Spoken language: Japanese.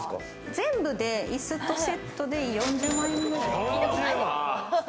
全部で椅子とセットで４０万円くらい。